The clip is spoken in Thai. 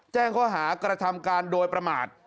แจ้งข้อหากระทำการโดยประมาท